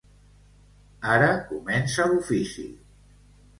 Ara comença l'ofici.